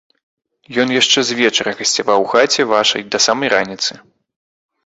Ён яшчэ звечара гасцяваў у хаце вашай да самай раніцы.